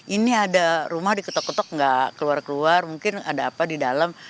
ini ada rumah diketok ketok nggak keluar keluar mungkin ada apa di dalam